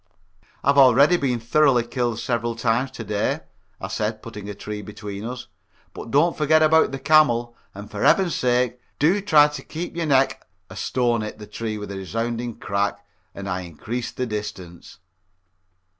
"I've already been thoroughly killed several times to day," I said, putting a tree between us, "but don't forget about the camel, and for heaven's sake do try to keep your neck " A stone hit the tree with a resounding crack, and I increased the distance.